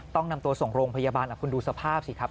ต้องนำตัวส่งโรงพยาบาลคุณดูสภาพสิครับ